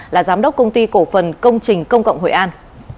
là giám đốc công ty cổ phần công trình công cộng hội an